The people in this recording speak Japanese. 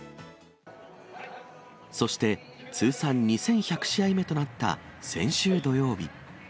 そして、通算２１００試合目となった先週土曜日。